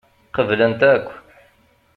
Qeblent akk.